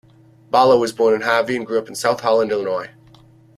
Boller was born in Harvey, and grew up in South Holland, Illinois.